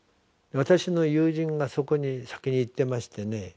私の友人がそこに先に行ってましてね